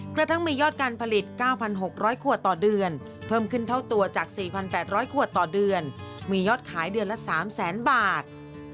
กระทั่งมียอดการผลิต๙๖๐๐ขวดต่อเดือนเพิ่มขึ้นเท่าตัวจาก๔๘๐๐ขวดต่อเดือนมียอดขายเดือนละ๓แสนบาท